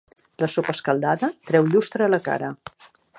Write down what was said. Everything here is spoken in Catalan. La sopa escaldada treu llustre a la cara.